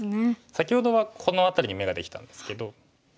先ほどはこの辺りに眼ができたんですけど。